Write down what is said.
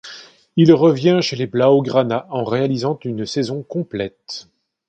Il revient chez les blaugrana en réalisant une saison complète.